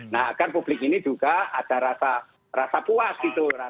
nah kan publik ini juga ada rasa puas gitu